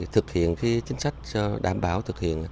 thực hiện chính sách đảm bảo thực hiện